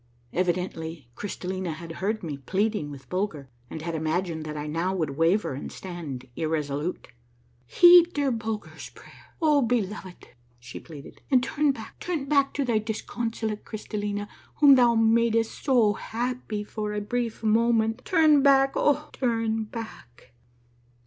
Evidently Crystallina had heard me pleading with Bulger and had imagined that now I would waver and stand irresolute. " Heed dear Bulger's prayer, O beloved," she pleaded, " and turn back, turn back to thy disconsolate Crystallina, whom thou madest so happy for a brief moment ! Turn back ! Oh, turn back